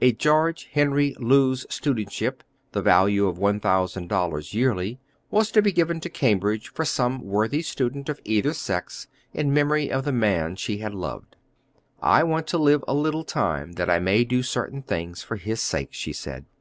A George Henry Lewes studentship, of the value of one thousand dollars yearly, was to be given to Cambridge for some worthy student of either sex, in memory of the man she had loved. "I want to live a little time that I may do certain things for his sake," she said.